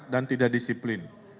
dan tidak diberi kebenaran